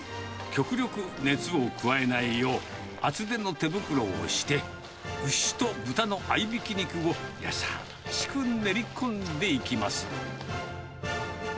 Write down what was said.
極力、熱を加えないよう、厚手の手袋をして、牛と豚の合いびき肉を、優しく練り込んでいきます。